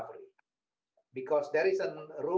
karena ada ruang untuk itu